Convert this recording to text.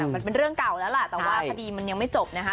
มันเป็นเรื่องเก่าแล้วล่ะแต่ว่าคดีมันยังไม่จบนะคะ